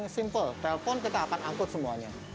yang simpel telpon kita akan angkut semuanya